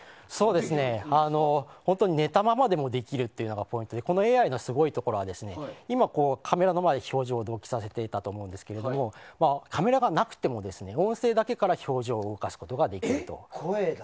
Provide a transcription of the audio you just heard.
寝たままでもできるのがポイントでこのＡＩのすごいところは今、カメラの前で表情を同期させていたと思いますがカメラがなくても音声だけから表情を動かすことができると。